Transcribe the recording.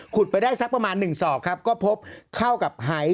ไปได้สักประมาณ๑ศอกครับก็พบเข้ากับไฮ